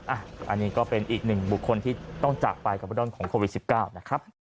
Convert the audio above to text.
อันนี้ก็เป็นอีกหนึ่งบุคคลที่ต้องจากไปกับเรื่องของโควิด๑๙นะครับ